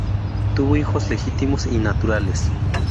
Tuvo hijos legítimos y naturales.